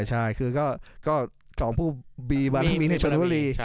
ใช่คือก็๒ผู้บีบานทางนี้ในชนบรี